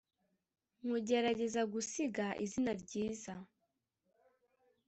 nkugerageza gusiga izina ryiza